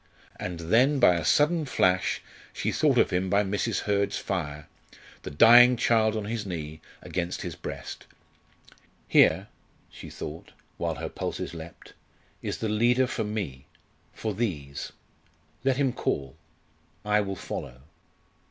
And then by a sudden flash she thought of him by Mrs. Hurd's fire, the dying child on his knee, against his breast. "Here," she thought, while her pulses leapt, "is the leader for me for these. Let him call, I will follow."